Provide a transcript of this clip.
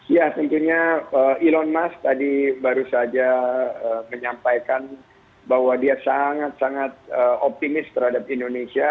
ya tentunya elon musk tadi baru saja menyampaikan bahwa dia sangat sangat optimis terhadap indonesia